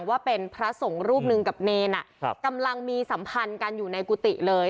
ว่าเป็นพระสงฆ์รูปหนึ่งกับเนรกำลังมีสัมพันธ์กันอยู่ในกุฏิเลย